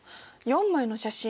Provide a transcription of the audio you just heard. ４枚の写真